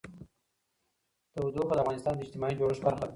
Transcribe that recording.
تودوخه د افغانستان د اجتماعي جوړښت برخه ده.